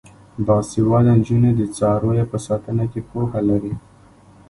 باسواده نجونې د څارویو په ساتنه کې پوهه لري.